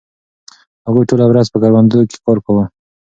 هغوی ټوله ورځ په کروندو کې کار کاوه.